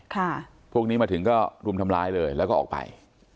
พวกนี้มาถึงก็รุมทำร้ายเลยแล้วก็ออกไป